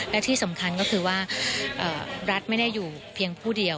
และที่สำคัญก็คือว่ารัฐไม่ได้อยู่เพียงผู้เดียว